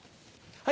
はい。